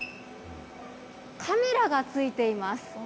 カメラが付いています。